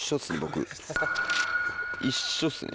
一緒っすね。